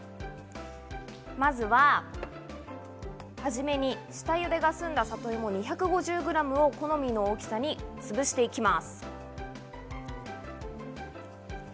まずは、はじめに下ゆでがすんださといもを２５０グラムを好みの大きさにつぶしていきます。